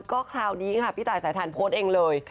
ก็คราวนี้ค่ะพี่ตายสายทานโพสต์เองเลย